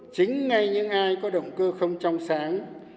chính ngay những ai có động cơ không trong sáng